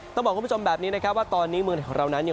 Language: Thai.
ต้องบอกคุณผู้ชมแบบนี้ว่าตอนนี้เมืองไทยของเรานั้น